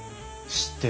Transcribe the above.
知ってる。